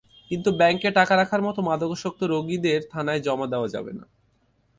কিন্তু ব্যাংকে টাকা রাখার মতো মাদকাসক্ত রোগীদের থানায় জমা দেওয়া যাবে না।